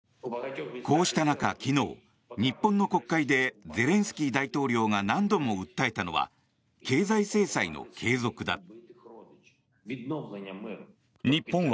こうした中、昨日日本の国会でゼレンスキー大統領が何度も訴えたのは経済制裁の継続だ。